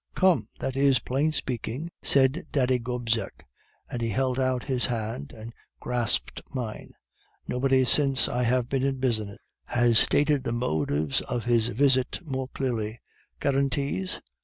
"'Come, that is plain speaking,' said Daddy Gobseck, and he held out his hand and grasped mine. 'Nobody since I have been in business has stated the motives of his visit more clearly. Guarantees?